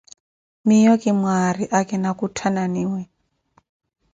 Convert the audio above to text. Miiyo ki mwaari, akina kutthananiwe.